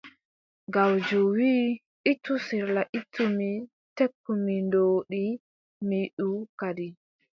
Gawjo wii, ittu sirla ittu mi, tekku mi ndoodi mi ndu kadi.